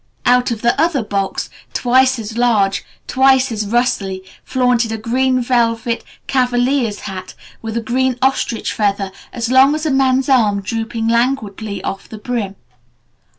Out of the other box, twice as large, twice as rustly, flaunted a green velvet cavalier's hat, with a green ostrich feather as long as a man's arm drooping languidly off the brim.